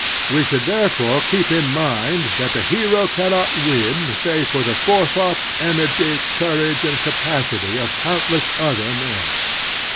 We shotild therefore keep in mind that the hero cannot win save for the forethought, energy, courage, and capacity of countless other men.